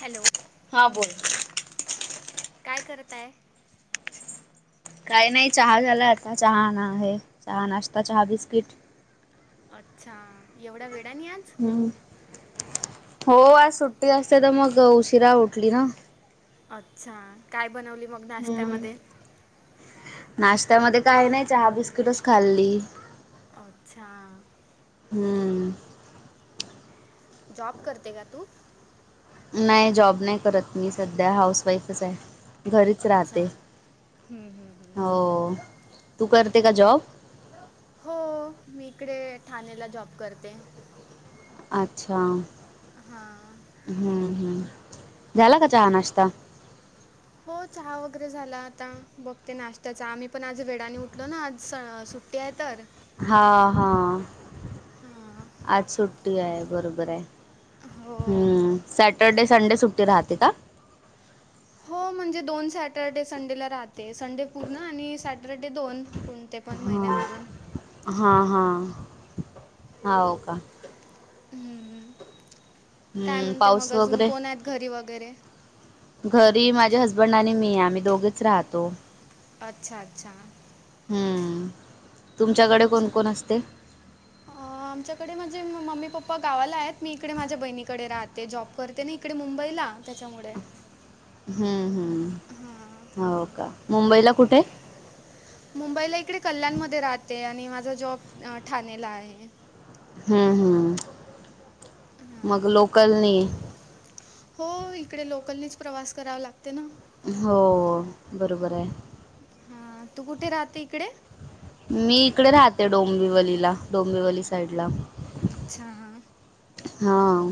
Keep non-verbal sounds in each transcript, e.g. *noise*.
Hello. हा बोल. काय करताय? काय नाही. चहा झाला आता. चहा ना हे. चहा नाश्ता चहा बिस्किट. अच्छाऽऽ एवढा वेडानि आज? हो आज सुट्टी असते तर मग उशिरा उठली ना अच्छा. काय बनवली मग हम्म. नाश्त्यामध्ये? नाश्त्यामध्ये काही नाही. चहा बिस्किटच खाल्ली. अच्छा ह्म्म जॉब करते का तू? नाही जॉब नाही करत. मी सध्या हाऊसवाईफच आहे. घरीच अच्छा राहते. हम्म, हम्म, हम्म. होऽ. तू करते का जॉब? होऽऽ मी इकडे ठाणेला जॉब करते. अच्छा. हां हम्म हम्म. झाला का चहा नाश्ता? हो चहा वगैरे झाला आता. बघते नाशत्याचा. आम्ही पण आज वेडाने उठलो ना आज सुट. तेहतर हा हा. हाऽ आज सुट्टी आहे. बरोबर आहे. हो. हम्म. सॅटरडे संडे सुट्टी राहते का? हो म्हणजे दोन सॅटरडे संडेला राहते. संडे पूर्ण आणि सॅटरडे दोन. कोणते पण हा महिन्यामधून. हा हा. हाओका? हं हं. काय हम्म म्हणते मग पाऊस अजून. वगैरे कोण आहेत घरी वगैरे? घरी माझे हजबंड आणि मी. आम्ही दोघेच राहतो. अच्छा अच्छा. हम्म.. तुमच्याकडे कोण कोण असते? अऽअ आमच्याकडे म्हणजे मम्मी पापा गावाला आहेत. मी इकडे माझ्या बहिणीकडे राहते. जॉब करते मी. इकडे मुंबईला. त्याच्यामुडे. ह्म्म हां. ह्म्म हो का? मुबंईला कुठे? मुंबईला इकडे कल्याणमध्ये राहते आणि माझा जॉब ठाणेला आहे. हम्म हम्म. मग लोकलनी. होय. इकडे लोकलनीच प्रवास करावा लागते ना. हो बरोबर आहे हाय. तू कुठे राहते इकडे? मी इकडे राहते. डोंबिवलीला. डोंबिवली साईडला. अच्छा हा. हाऽ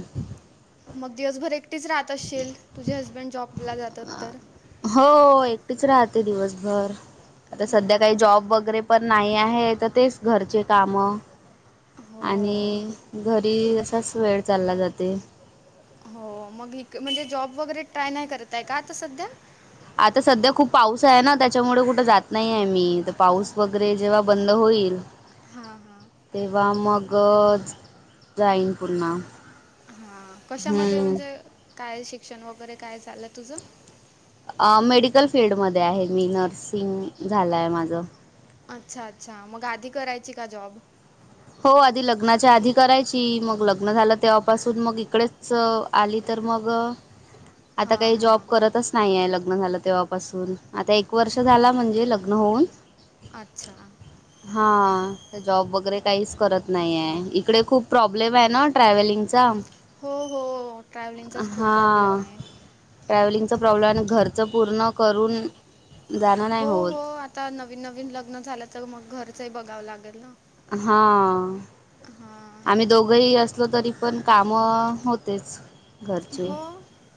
मग दिवसभर एकटीच राहत असेल तुझे हसबंड जॉबला जातात तर. हो एकटीच राहते दिवसभर, आता सध्या काही हां. जॉब वगैरे. पण नाही आहे तर तेच घरचे कामं हो आणि. घरी असाच वेळ चालला जाते. हो मग म्हणजे जॉब वगैरे ट्राय नाही करतांय का आता सध्या. आता सध्या खूप पाऊस आहे ना त्याच्यामुळे कुठं जात नाही आहे मी, त पाऊस वगैरे जेव्हा बंद होईल. हा हा! तेव्हा मगच जाईन पुन्हा. हा कशामध्ये हम्म. म्हणजे, काय शिक्षण वगैरे काय झालं तुझं? अ मेडिकल फील्डमध्ये आहे मी, नर्सिंग झालाय माझं. अच्छा अच्छा मग आधी करायची का जॉब? हो आधी लग्नाच्या आधी करायची, मग लग्न झालं तेव्हापासून मग इकडेच. आली तर मग! *inaudible* आता काही जॉब हां करतच नाहीय लग्न झालं तेव्हापासून. आता एक वर्ष झाला हो म्हणजे लग्न होऊन. अच्छा हा त जॉब वगैरे. काहीच करत नाहीये, इकडे खूप प्रॉब्लेम आहे ना ट्रॅव्हलिंगचा. हो हो ट्रॅव्हलिंगचाच खूप हा प्रॉब्लेम आहे. ट्रॅव्हलिंगचा प्रॉब्लेम आहे, आणि घरच पूर्ण करून. जाणं नाही हो होत हो आता नवीन नवीन लग्न झाल्या, तर मग घरचंही बघावं लागेल ना. हा हां आम्ही दोघ! दोघ हि असलो तरी पण काम होतेच. हो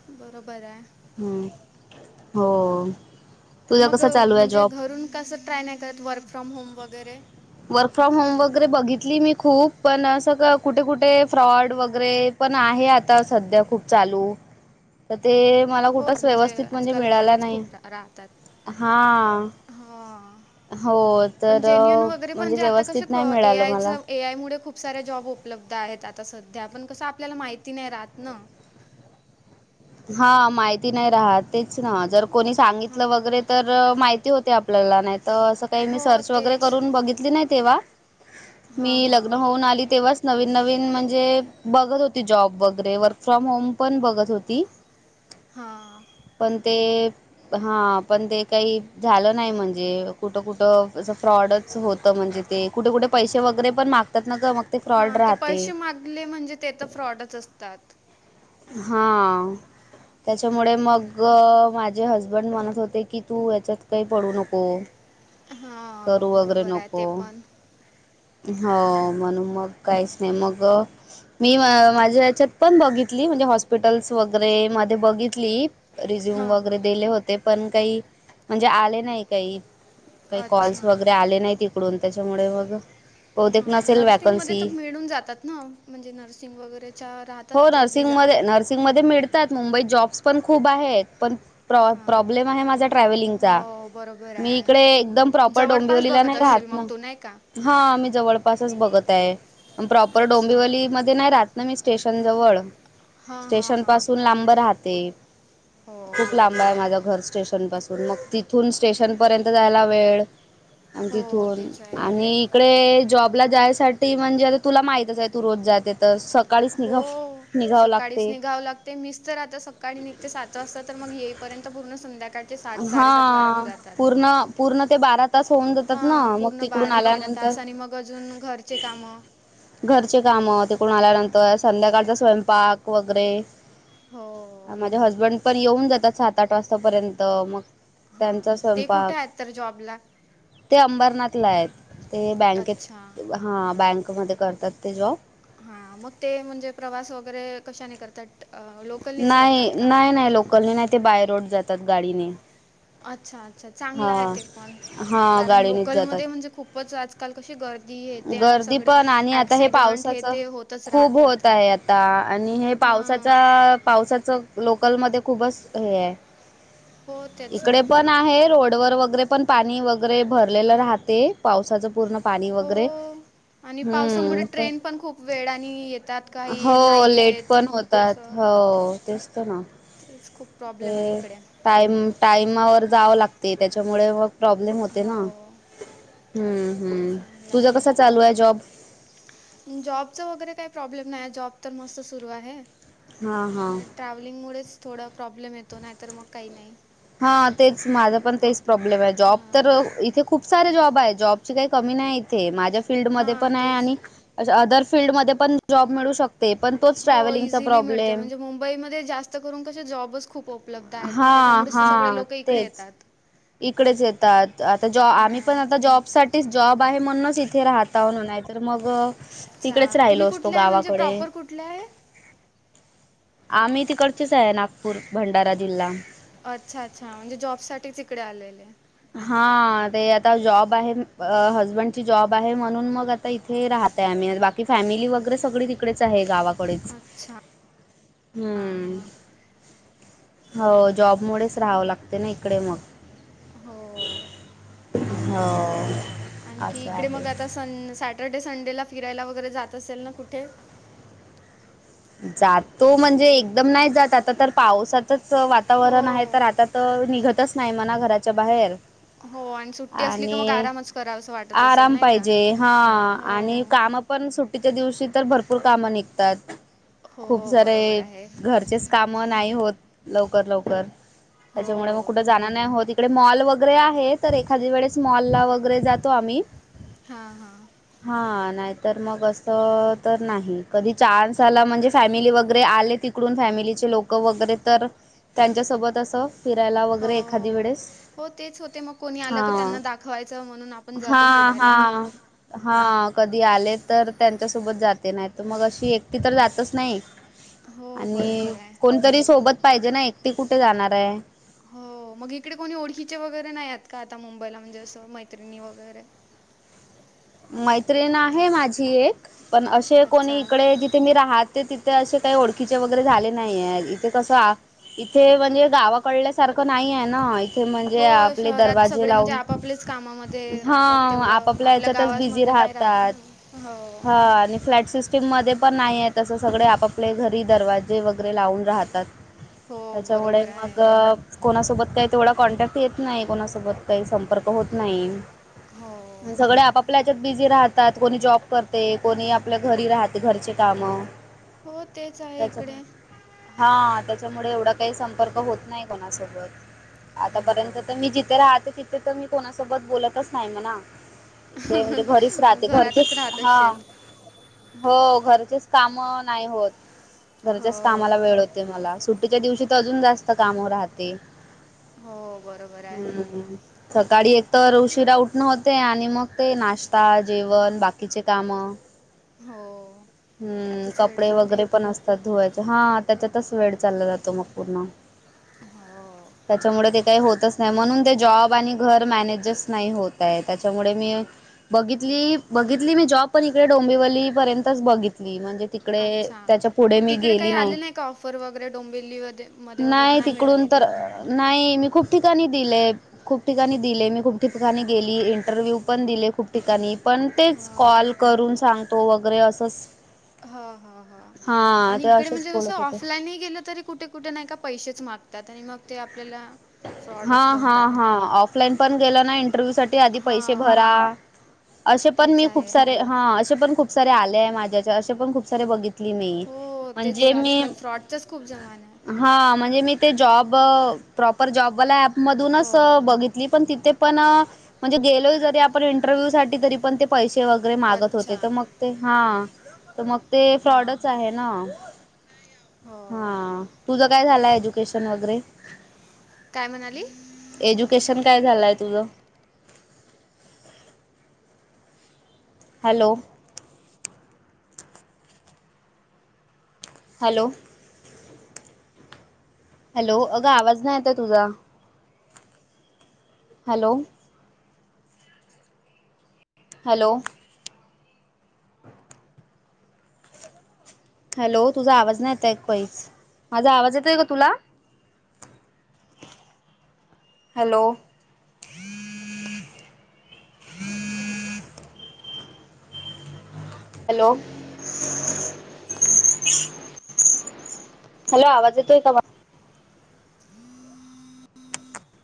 बरोबर हाय! हूं हो! तुझा मग कसा चालू आहे म्हणजे जॉब घरून कसं ट्राय नाही करत, वर्क फ्रॉम होम वगैरे. वर्क फ्रॉम होम वगैरे बघितली मी खूप पण असं का कुठे कुठे फ्रॉड वगैरे पण आहे आता सध्या खूप चालू तर ते! मला हो कुठंच व्यवस्थित म्हणजे आजकाल मिळाला फ्रॉडच नाही. खूप रा- राहतात. हा हां. हो तर! म्हणजे आता कसं व्यवस्थित ख नाही ए मिळालं आय च. मला ए आय मुळ खूप साऱे जॉब उपलब्ध आहेत आता सध्या, पण कसं आपल्याला माहिती नाही राहत ना. हा माहिती नाही राहत तेच ना जर कोणी सांगितलं वगैरे हां. तर माहि ती होते आपल्याला नाही त असं काही मी हो सर्च वगैरे तेच. करून बघितली नाही तेव्हा. मी हां, लग्न हां. होऊन आली तेव्हाच. नवीन नवीन म्हणजे बघत होती जॉब वगैरे, वर्क फ्रॉम होम पण बघत होती. हा! पण ते हा पण ते काही झालं नाही म्हणजे कुठं, कुठं. असं फ्रॉडच होतं म्हणजे ते कुठकुठे पैसे वगैरे पण मागतात ना का मग ते फ्रॉड राहते. ले म्हणले म्हणजे ते तर फ्रॉडच असतात. हा! त्याच्यामुळे मग माझे हजबंड म्हणत होते की तू याच्यात काही पडू नको. हा करू वगैरे बरोबर आहे नको ते पण. हो म्हणून मग काहीच नाही मग. मी माझ्या ह्याच्यात बघि लि, म्हणजे हॉस्पिटल्स वगैरे मध्ये बघितली रिझ्युम हां, वगैरे हां. दिले होते. पण काई म्हणजे आले नाय काई काई कॉल्स अच्छा. वगैरे आले नाई ते तीकडून त्याच्यामुळे बघ हा नर्सिंग मध्ये त मिळून जातात ना म्हणजे नर्सिंग वगैरेच्या राहतात तरी जागा. मध्ये मिडतात मुंबईत जॉब्स पण खूप आहेत पण प्र हां. प्रॉब्लेम आहे माझा ट्रॅव्हलिंगचा हो बरोबर मी इकडे आहे एकदम प्रॉपर जवळपास डोंबिवलीला बघत न्हाई असशील राहत मग ना तू नाही का हा मी जवळपासच बघताय अं प्रॉपर अच्छा डोंबिवलीमध्ये न्हाय राहत ना मी स्टेशन जवळ हां हां स्टेशन हां पासून लांब राहते. हो खूप बरोबर लांबाय माझं आहे घर स्टेशन पासून मग तिथून स्टेशन पर्यंत जायला वेळ आण हो तिथून तेच आहे आणि इकडे इकडे जॉबला जायच साठी म्हणजे आता तुला माईतच आय तू रोज जाते तर सक् हो सकाळीच निघावं लाग् ते मिस तर आता सकाळी निघते सात वाजता तर मग येईपर्यंत पूर्ण संध्याकाळ सात साडेसात वाजून हा जातात. पूर्ण पूर्ण ते बारा तास होऊन जातात हा ना मग पूर्ण तिकडून बारा तेरा आल्यानंतर तास आणि मग अजून घरचे कामं. घरचे काम तिकडून आल्यानंतर संध्याकाळचा स्वयंपाक वगैरे हो अं माझे हजबंड पण येऊन जातात सात आठ वाजतापर्यंत मग हां त्यांचा ते कुठे स्वयंपाक आयेत तर जॉबला. ते अंबरनाथलायत ते अच्छा बँकेत हां बँकमध्ये करतात ते जॉब. हा मग ते म्हणजे प्रवास वगैरे कशाने करतात. लोकलनीच नाय करतात का नाय नाय लोकलने नाय ते बाय रोड जातात गाडीने. अच्छा! अच्छा! चांगलाय हां ते पण हां कारण गाडीनेच जातात लोकलमध्ये म्हणजे खूपच आज -काल कशी गर्दी हे ते आणि गर्दी सगळे पण आणि आता हे ॲक्सिडंट हे ते होतच राहतात. ता आणि हे हां. पावसाचा पावसाच लोकल मध्ये खूपच हे आय. *inaudible* तेच ईकडे ना. पण आहे रोड व वगैरे पण पाणी वगैरे भरलेलं राहते पावसाच पूर्ण. पाणी वगैरे हो. आणि पावसामुळे ट्रेन पण खूप वेळानी येतात काही नाई येत. त्यात चं हो तेस त ना. तेच खूप प्रॉब्लेमाय इकडे. टाईम टाईमावर जावं लागते त्याच्यामुळे मग प्रॉब्लेम होते हो, ना, हं हं. लाहे. जॉबच वगैरे काय प्रॉब्लेम नाय जॉब तर मस्त सुरू आहे. हा हा ट्रॅव्हलिंग मुळेच थोडा प्रॉब्लेम येतो नाही तर मग काई नाई. हा तेच माझा पण तेच प्रॉब्लेमाय जॉब तर हां. इथे खु् खूप सारे जॉबाय जॉबची काय कमी नाय इथे माझ्या फिल्डमध्ये हां पणाय तेच. आणि अछा् अदर फील्ड मध्ये पण जॉब मिळू शक् ते पण तो हो इझिली मिळते म्हणजे मुंबईमध्ये जास्त करून कसं जॉबच खूप ओप् उपलब्ध आयेत ना हा त्याच्यामुळेच त सगळे हा लोक इकडे तेच येतात. इकडेच येतात आता जॉ आम्ही पण हां आता जॉब साठीच जॉब आहे म्हणूनच इथे राहत -तावनं नाय तर मग तिकडेच अच्छा राहिलो तुम्ही असतो कुठले आहे म्हणजे गावाकडे प्रॉपर कुठले आहे? आम्ही तिकडचेच आहे नागपूर, भंडारा जिल्हा. अच्छा अच्छा म्हणजे जॉब साठीच इकडे आलेले. हा ते आता जॉब आहे अ हजसबंडची जॉब आहे म्हणून मग आ ता इथे राहतय आम्ही बाकी फॅमिली वगैरे सगळी तिकडेच आहे गावाकडेच. अच्छा हम्म हाव जॉब मुळेच राहावं लागते ना इकडे मग. हो. हो. आणखी असं इकडे आहे मग आता सन सॅटरडे, संडेला फिरायला वगैरे जात असेल ना कुठे? जातो म्हणजे एकदम नाही जात आता तर पावसाचच हो. वातावरण आहे तर आता तर निघतच नाही म्हणा घराच्या बाहेर. हो आणि सुट्टी असली की मग आणि आरामच करावसं वाटत असेल आराम नाही का? पाहिजे हा आणि हो. कामं पण सुट्टीच्या दिवशी तर भरपूर कामं निघतात. खूप हो सारे बरोबर आहे. घरचेच काम नाही होत लवकर लवकर. त्याच्यामुळे मग हो. कुठे जाणा नाही होत इकडे मॉल वगैरे आहे तर एखादी वेळेस मॉल ला वगैरे जातो आम्ही. हा. हां हां. हा नाहीतर मग असं तर नाही कधी चान्स झाला म्हणजे फॅमिली वगैरे आले तिकडून फॅमिलीचे लोकं वगैरे तर त्यांच्या सोबत असं फिरायला हो वगैरे एखादी हो. वेळेस हो तेच होते मग कोणी आलं हा क त्यांना दाखवायचं म्हणून आपण हा जातो फिरायला. हा. हा कधी आले तर त्यांच्यासोबत जाते नाहीतर मग अशी एक टी तर जातच नाही हो आणि बरोबर आहे. कोणतरी सोबत पाहिजे नाही. ती कुठे जाणार आहे? हो मग इकडे कोणी ओळखीचे वगैरे नाही आहेत का आता मुंबईला म्हणजे असं मैत्रिणी वगैरे मैत्रिण आहे माझी एक पण अशे कोणी अच्छा इकडं जिथे मी राहात ते तिथे अशे काय ओळखीचे वगैरे झाले नाहीये इथं कसं आ इथे म्हणजे गावाकडल्यासारखं नाही आहे ना. थे म्हणजे हो आपले शहरात दरवाजे सगळे म्हणजे लावून आपापलेच कामामध्ये हा राहतात तेवढं आप-आपल्या आपल्या हेच्यात तच बिझी गावामध्ये नाही राहत राहतात ना. हो. हा आणि फ्लॅट सिस चे मध्ये पण नाही आहे असं सगळे आप-आपले घरी दरवाजे वगैरे लावून राहतात. हो त्याच्यामुळे बरोबर आहे. मगं कोणासोबत काही तेवढा कॉन्टॅक्ट येत नाही कोणासोबत काही संपर्क होत नाही. हो. म सगळे आपापल्या याच्यात बिझी राहतात कोणी जॉब करते कोणी आपल्या घरी राह ते घरचे कामं हो तेच आहे इकडे. त्याच्यामुळे हा त्याच्यामुळे एवढा काही संपर्क होत नाही कोणासोबत हो. आतापर्यंत तर मी जी थे राहते तिथे तर मी कोणासोबत बोलतच नाही म्हणा. ते म्हणजे घरीच मग राहते घरचेच घरातच राहत हा. असशील. हो घरचेच काम नाही होत घरच्याच हो. कामाला वेळ हो ते मला सुट्टीच्या दिवशी तर अजून जास्त कामं राहते. हो बरोबर आहे. हम्म सकाळी एक तर उशिरा उठणं होते आणि मग ते नाश्ता जेवण बाकीचे कामं. हो. हम्म त्यातच वेळ कपडे जाते. वगैरे पण असतात धुवायचे हा त्याच्यातच वेळ चालला जातो मग पूर्ण. हो त्याच्यामुळे ते काही होतच नाही म्हणून ते जॉब आणि घर मॅनेजस नाही होत आहे त्याच्यामुळे मी बघितली बघितली मी जॉब पण इकडे डोंबिवली पर्यंतच बघितली म्हणजे तिकडे अच्छा. त्याच्या पुढे मग मी तिकडे काही गेली नाही आले का ऑफर वगैरे डोंबिवलीमध्ये मध्ये वगैरे नाही तिकडून मिळाले तर का? अ नाही मी खूप ठिकाणी दिलेत. खूप ठिकाणी दिले मी खूप ठिकाणी गेली इंटरव्ह्यू पण दिले खूप ठिकाणी पण तेच. हो. कॉल करून सांगतो वगैरे असंच हो ह हा आणि ते इकडे असेच म्हणजे कसं बोलत होते. ऑफलाईनही गेलं तरी कुठे कुठे नाही का पैसेच मागतात आणि मग ते आपल्याला हा फ्रॉडच हा करतात. हा ऑफलाईन पण गेल ना इंटरव्ह्यू साठी आधी पैसे हां. भरा. असे पण तेच मी खूप आहे. सारे हा असे पण खूप सारे आले आहे माझ्याचे असे पण खूप सारे बघित. हो तेच आजकाल फ्रॉडचाच खूप जमाना आहे. हा म्हणजे मी ते जॉब प्रॉपर जॉबवाला ऍपमधूनच हो. बघितली पण तिथे पण अ म्हणजे गेलो जरी आपण इंटरव्ह्यू साठी तरी पण ते पैसे वगैरे मागत अच्छा. होते तर मग ते हा तर मग ते हां. फ्रॉडच आहे ना हो. हा तुझं काय झालंय एज्युकेशन वगैरे काय म्हणाली एज्युकेशन काय झालंय तुझं हॅलो हॅलो हॅलो अग आवाज नाही येत तुझा हॅलो हॅलो तुझा आवाज नाही येतय काहीच माझा आवाज येत आहे का तुला. हॅलो हॅलो हॅलो आवाज येतो का माझा. हमम